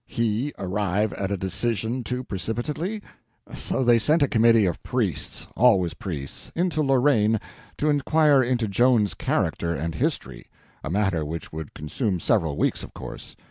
He arrive at a decision too precipitately! So they sent a committee of priests—always priests—into Lorraine to inquire into Joan's character and history—a matter which would consume several weeks, of course.